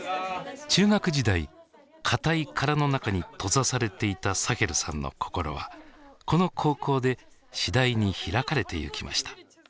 中学時代硬い殻の中に閉ざされていたサヘルさんの心はこの高校で次第に開かれてゆきました。